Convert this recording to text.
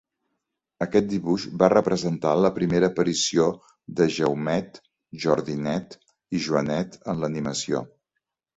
Aquest dibuix va representar la primera aparició de Jaumet, Jordinet i Joanet en l'animació.